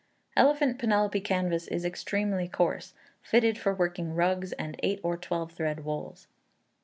Elephant Penelope Canvas is extremely coarse fitted for working rugs and eight or twelve thread wools.